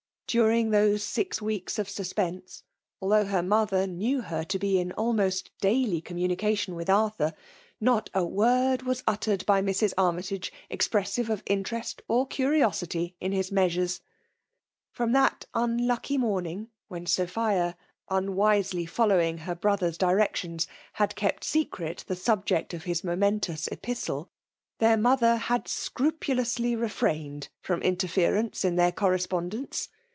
Dttrihg those six weeks of suspense, although hear mother knew her to be in almost daily com* mnnication with Arthur, not a word was uttered by Mrs. Armytage expressive of interest or curiosity in his measures. From that mducky morning, when Sophia, unwisely following her VmAcrt iknd&nm, liad kept secfr ei ilie suljcief rf^i^ivoneBtOtts epifttl^^ their mother Itad Imqnleody Tefrained from mterlerencc in theii^ dRfespinienee.